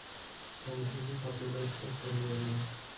অবশেষে শব্দটা স্পষ্ট হয়ে এল।